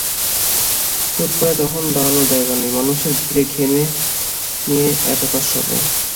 ফুটপাতে তখন দাঁড়ানোর জায়গা নেই, মানুষের ভিড়ে ঘেমে নেয়ে একাকার সবাই।